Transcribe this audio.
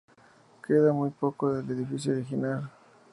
Queda muy poco del edificio original.